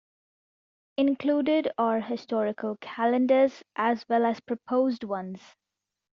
Included are historical calendars as well as proposed ones.